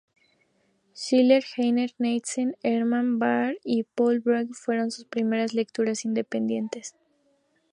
Schiller, Heine, Nietzsche, Hermann Bahr y Paul Bourget fueron sus primeras lecturas independientes.